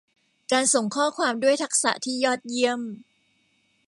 การส่งข้อความด้วยทักษะที่ยอดเยี่ยม